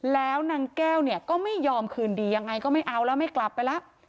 แล้วนางแก้วเนี่ยก็ไม่ยอมคืนดียังไงก็ไม่เอาแล้วไม่กลับไปแล้ว